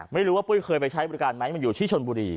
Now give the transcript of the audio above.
ไม่รู้ว่าปุ้ยเคยไปใช้บริการไหมมันอยู่ที่ชนบุรี